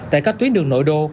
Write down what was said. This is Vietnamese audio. tại các tuyến đường nội đô